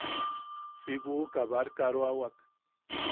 Si buʼuka barkaroawak.